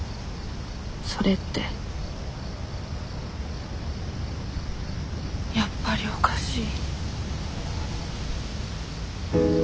それってやっぱりおかしい。